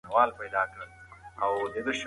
له نړۍ سره ځان برابر کړئ.